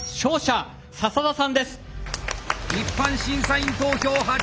一般審査員投票８対２。